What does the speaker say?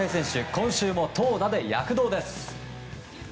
今週も投打で躍動です。